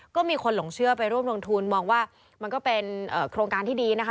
ก็มีคนหลงเชื่อไปร่วมลงทุนมองว่ามันก็เป็นโครงการที่ดีนะคะ